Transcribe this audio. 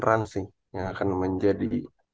peran sih yang akan menjadi